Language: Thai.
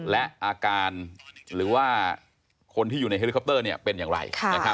และอาการหรือว่าคนที่อยู่ในเฮลิคอปเตอร์เป็นอย่างไร